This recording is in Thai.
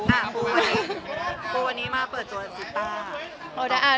อ่ะฟูฟูวันนี้มาเปิดตัวซิตาร์